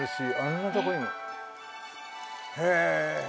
へえ。